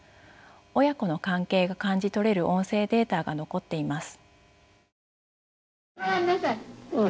親子の関係が感じ取れる音声データが残っています。